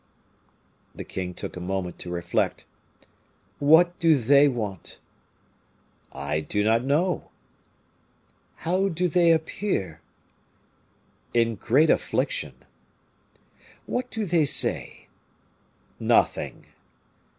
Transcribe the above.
The king took a moment to reflect. "What do they want?" "I do not know." "How do they appear?" "In great affliction." "What do they say?" "Nothing."